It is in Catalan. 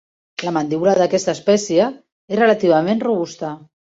La mandíbula d'aquesta espècie era relativament robusta.